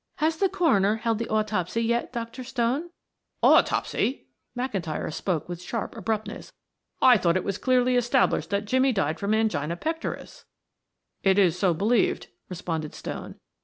"Has the coroner held the autopsy yet, Dr. Stone?" "Autopsy!" McIntyre spoke with sharp abruptness. "I thought it was clearly established that Jimmie died from angina pectoris?" "It is so believed," responded Stone.